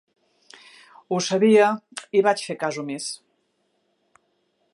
Ho sabia, i vaig fer cas omís.